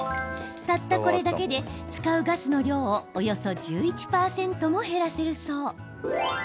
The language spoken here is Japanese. たったこれだけで使うガスの量をおよそ１１％も減らせるそう。